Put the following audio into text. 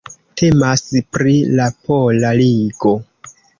Temas pri la Pola Ligo.